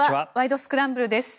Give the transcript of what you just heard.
スクランブル」です。